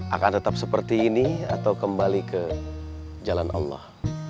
akan tetap seperti ini atau kembali ke jalan allah